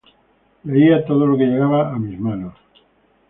Leía todo lo que llegaba a mis manos.